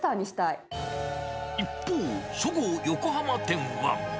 一方、そごう横浜店は。